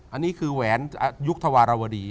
อันนี้คือแหวนยุคธวารวดี